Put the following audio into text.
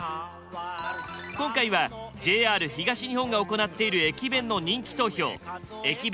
今回はＪＲ東日本が行っている駅弁の人気投票駅弁